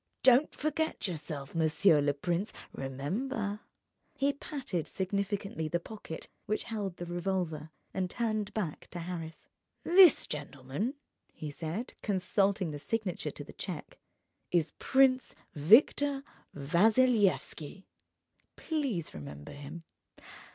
"Don't forget yourself, monsieur le prince. Remember ..." He patted significantly the pocket which held the revolver, and turned back to Harris. "This gentleman," he said, consulting the signature to the cheque, "is Prince Victor Vassilyevski. Please remember him.